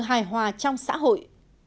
ba hài hòa trong xã hội